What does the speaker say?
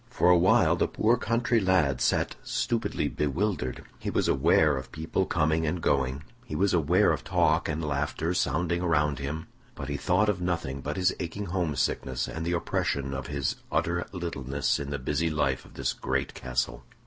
For a while the poor country lad sat stupidly bewildered. He was aware of people coming and going; he was aware of talk and laughter sounding around him; but he thought of nothing but his aching homesickness and the oppression of his utter littleness in the busy life of this great castle.